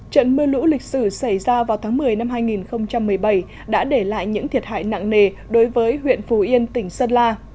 trận mưa lũ lịch sử xảy ra vào tháng một mươi năm hai nghìn một mươi bảy đã để lại những thiệt hại nặng nề đối với huyện phù yên tỉnh sơn la